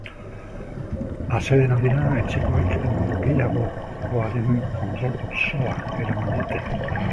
Atsedenaldira etxekoek norgehiagokaren kontrol osoa eraman dute.